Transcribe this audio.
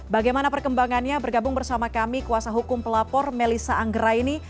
bagaimana perkembangannya bergabung bersama kami kuasa hukum pelapor melissa anggera ini